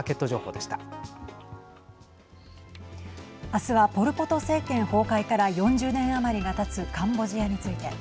明日はポル・ポト政権崩壊から４０年余りがたつカンボジアについて。